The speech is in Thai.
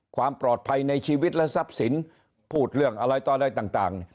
ความปลอดภัยในชีวิตและทรัพย์สินพูดเรื่องอะไรต่ออะไรต่าง